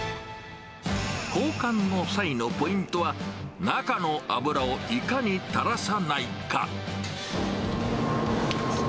交換の際のポイントは、中の油をいかに垂らさないか。